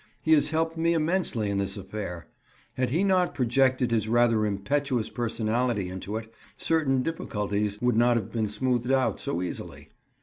He has helped me immensely in this affair. Had he not projected his rather impetuous personality into it, certain difficulties would not have been smoothed out so easily.